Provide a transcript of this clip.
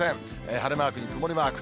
晴れマークに曇りマーク。